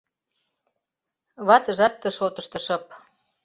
Ватыжат ты шотышто шып.